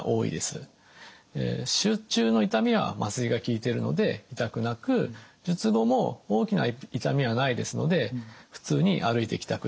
手術中の痛みは麻酔が効いてるので痛くなく術後も大きな痛みはないですので普通に歩いて帰宅できます。